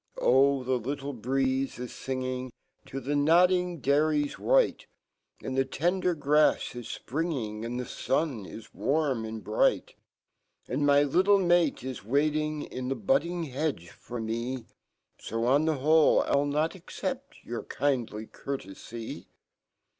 j^t "Oh! the little breeze is finging TO the nodding dailies white And fhe/tendergrafs is fpringing, And fhe/ ^un is warm and bright; And my little mate is waiting In fho budding hedge forme/; $o,on fhe who[e,Pll nt accept YQUP kindly courtefy."